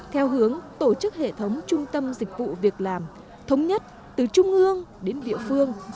theo hướng tổ chức hệ thống trung tâm dịch vụ việc làm thống nhất từ trung ương đến địa phương